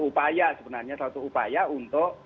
upaya sebenarnya salah satu upaya untuk